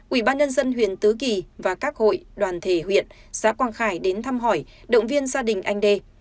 ủy ban nhân dân huyện tứ kỳ và các hội đoàn thể huyện xã quang khải đến thăm hỏi động viên gia đình anh đê